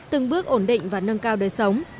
từng bước ổn định và nâng cao đời sống